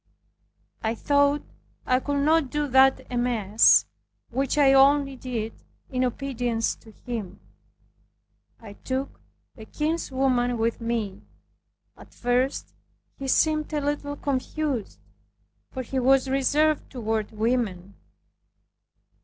I thought I could not do that amiss, which I only did in obedience to him. I took a kinswoman with me. At first he seemed a little confused; for he was reserved toward women.